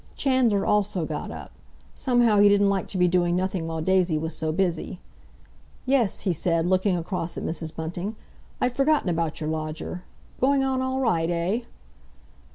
Chandler also got up. Somehow he didn't like to be doing nothing while Daisy was so busy. "Yes," he said, looking across at Mrs. Bunting, "I'd forgotten about your lodger. Going on all right, eh?"